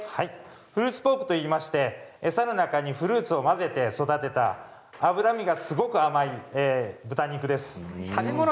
フルーツポークといいまして餌の中にフルーツを混ぜて育てた脂身が甘い豚肉です。